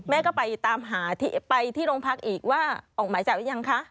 แม่ก็ไปตามหาไปที่โรงพักอีกว่าออกหมายจับหรือยังคะ